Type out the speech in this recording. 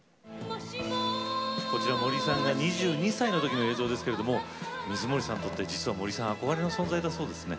こちら森さんが２２歳のときの映像ですけれども水森さんにとって実は森さん憧れの存在だそうですね。